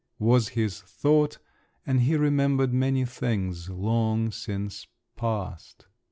was his thought, and he remembered many things, long since past.